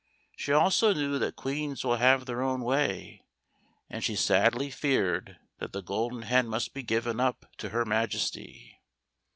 She also knew that queens will have their own way, and she sadly feared that the Golden Hen must be given up to her Majesty.